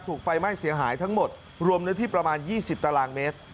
ถูกไฟไหม้เสียหายทั้งหมดรวมในที่ประมาณยี่สิบตารางเมตร